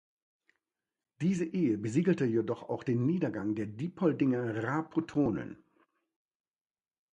Diese Ehe besiegelte jedoch auch den Niedergang der Diepoldinger-Rapotonen.